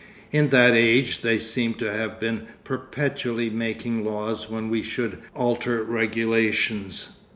In that age they seem to have been perpetually making laws when we should alter regulations.